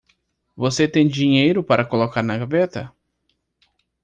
Você tem dinheiro para colocar na gaveta?